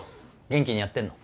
元気にやってんの？